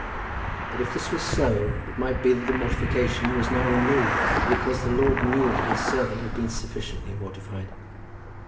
But if this were so, it might be that the mortification was now removed because the Lord knew that his servant had been sufficiently mortified.